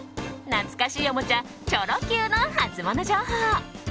懐かしいおもちゃチョロＱのハツモノ情報。